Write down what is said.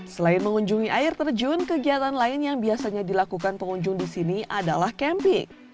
selain mengunjungi air terjun kegiatan lain yang biasanya dilakukan pengunjung di sini adalah camping